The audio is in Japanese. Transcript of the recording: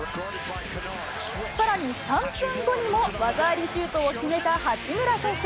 さらに、３分後にも技ありシュートを決めた八村選手。